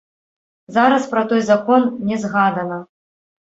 Зараз пра той закон не згадана.